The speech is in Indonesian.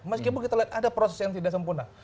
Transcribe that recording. meskipun kita lihat ada proses yang tidak sempurna